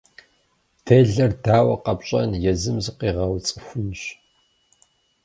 Делэр дауэ къэпщӏэн, езым зыкъыуигъэцӏыхунщ.